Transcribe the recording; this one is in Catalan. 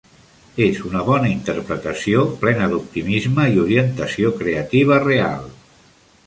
És una bona interpretació, plena d'optimisme i orientació creativa real.